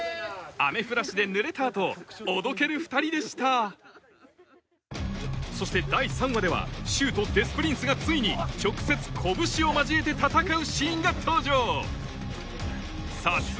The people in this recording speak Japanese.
・雨降らしで濡れた後おどける２人でしたそして第３話では柊とデス・プリンスがついに直接拳を交えて戦うシーンが登場撮影